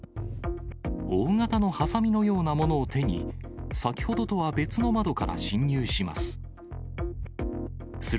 大型のはさみのようなものを手に、先ほどとは別の窓から侵入します。